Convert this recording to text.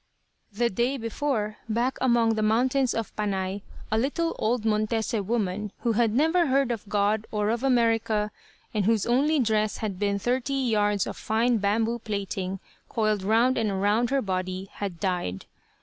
The day before, back among the mountains of Panay, a little old Montese woman, who had never heard of God, or of America, and whose only dress had been thirty yards of fine bamboo plaiting coiled round and round her body, had died.